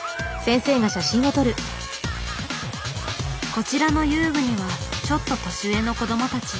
こちらの遊具にはちょっと年上の子どもたち。